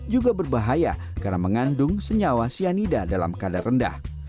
juga berbahaya karena mengandung senyawa cyanida dalam kadar rendah